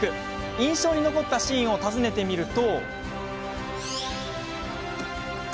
印象に残ったシーンを尋ねてみると。